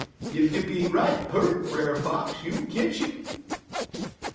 Ef you be right peart, Brer Fox, you'll ketch 'im.'